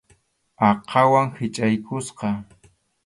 Aqhawan hichʼaykusqa.